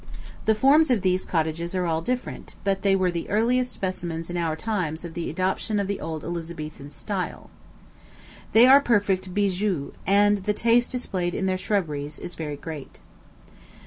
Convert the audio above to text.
The forms of these cottages are all different, but they were the earliest specimens in our times of the adoption of the old Elizabethan style. They are perfect bijoux, and the taste displayed in the shrubberies is very great.